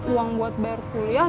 uang buat bayar kuliah